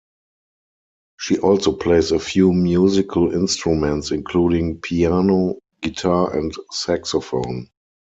She also plays a few musical instruments including piano, guitar and saxophone.